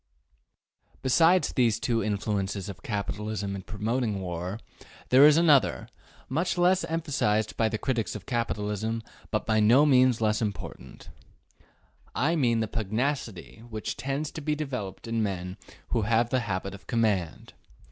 Besides these two influences of capitalism in promoting war, there is another, much less emphasized by the critics of capitalism, but by no means less important: I mean the pugnacity which tends to be developed in men who have the habit of command.